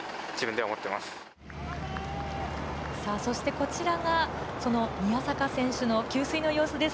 こちらが宮坂選手の給水の様子です。